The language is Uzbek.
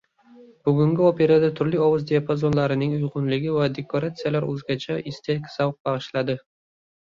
Bugungi operada turli ovoz diapazonlarining uygʻunligi va dekoratsiyalar oʻzgacha estetik zavq bagʻishladi.